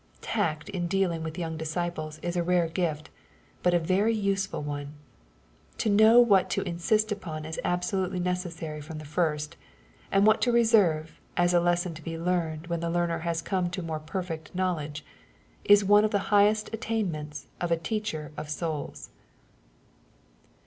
Tact in dealing with young disciples is a rare gift, but a very useful one. To know what to in sist upon as absolutely necessary from the first— and what to reserve, as a lesson to be learned when the learner has come to more perfect knowledge — ^is one of the highest attainments of a teacher of souls.